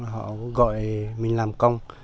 họ gọi mình làm công